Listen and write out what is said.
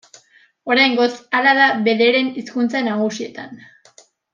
Oraingoz, hala da bederen hizkuntza nagusietan.